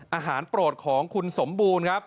โปรดของคุณสมบูรณ์ครับ